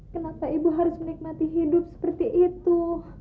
kenapa ibu harus menikmati hidup seperti itu